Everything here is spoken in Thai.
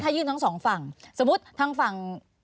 ยื่นทั้งสองฝั่งสมมุติทางฝั่ง